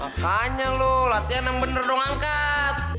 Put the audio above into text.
makanya loh latihan yang bener dong angkat